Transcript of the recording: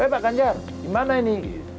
tapi pak ganjar gimana ini